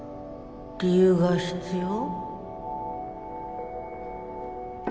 理由が必要？